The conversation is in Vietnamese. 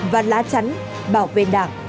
và lá trắng bảo vệ đảng